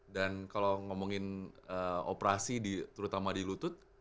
dan kalau ngomongin operasi terutama di lutut